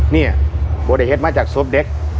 เนี่ยกว่าเลยเฮ็ดมาจากส้อมเดค